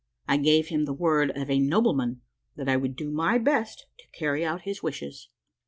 I gave him the word of a noble man that I would do my best to carry out his wishes.